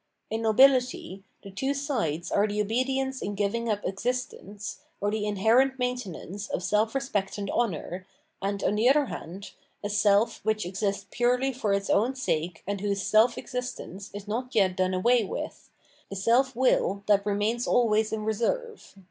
In nobihty, the two sides are the obedience in giving up existence, or the inherent maintenance of self respect and honour, and, on the other hand, a self which exists purely for its own sake 515 Culture and its Sphere of Reality and whose self existence is not yet done away with, the self will that remains always in reserve.